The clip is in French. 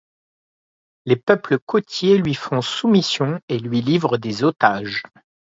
Les peuples côtiers lui font soumission et lui livrent des otages.